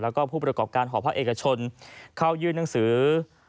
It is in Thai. แล้วก็ผู้ประกอบการหอพักเอกชนเข้ายื่นหนังสือ